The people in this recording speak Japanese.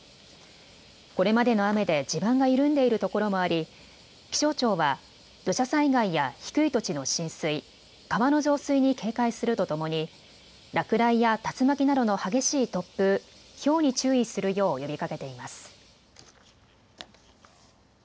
これまでの雨で地盤が緩んでいる所もあり気象庁は土砂災害や低い土地の浸水、川の増水に警戒するとともに落雷や竜巻などの激しい突風、ひょうに注意するよう呼びかけています。